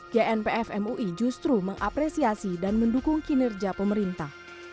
genpfmui justru mengapresiasi dan mendukung kinerja pemerintah